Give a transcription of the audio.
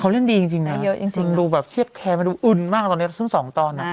เขาเล่นดีจริงจริงนะเยอะจริงจริงดูแบบเชียดแคร์มาดูอุ่นมากตอนนี้ซึ่งสองตอนอ่ะ